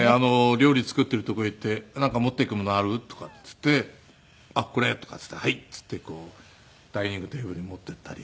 料理作っているとこへ行って「なんか持っていくものある？」とかって言って「これ」とかって言って「はい」って言ってダイニングテーブルに持って行ったり。